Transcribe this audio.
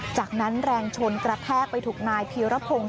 จากนั้นแรงชนกระแทกไปถูกนายพีรพงศ์